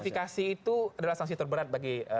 fikasi itu adalah saksi terberat bagi